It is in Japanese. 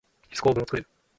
ヒス構文をつくる。